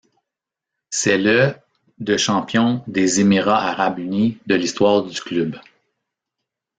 C'est le de champion des Émirats arabes unis de l'histoire du club.